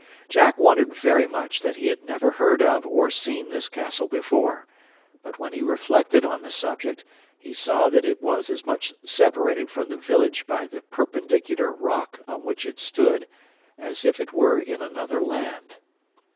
Jack wondered very much that he had never heard of or seen this castle before; but when he reflected on the subject, he saw that it was as much separated from the village by the perpendicular rock on which it stood as if it were in another land.